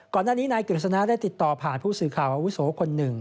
ก่อนหน้านี้นายกฤษณะได้ติดต่อผ่านผู้สื่อข่าววิศวะคนหนึ่ง